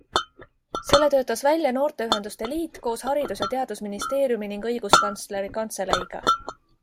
Selle töötas välja noorteühenduste liit koos haridus- ja teadusministeeriumi ning õiguskantsleri kantseleiga.